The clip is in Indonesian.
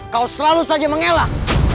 kau selalu saja mengalah